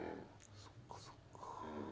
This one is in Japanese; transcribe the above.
そっかそっか。